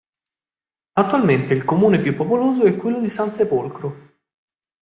Attualmente il comune più popoloso è quello di Sansepolcro.